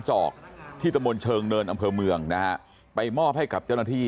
จอกที่ตะมนต์เชิงเนินอำเภอเมืองนะฮะไปมอบให้กับเจ้าหน้าที่